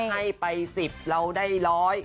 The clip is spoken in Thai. ให้ไป๑๐เราได้ร้อย